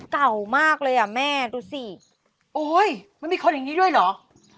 เก่ามากเลยอ่ะแม่ดูสิโอ๊ยมันมีคนอย่างนี้ด้วยเหรอ